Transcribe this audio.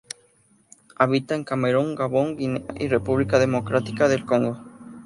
Habita en Camerún, Gabón, Guinea y República Democrática del Congo.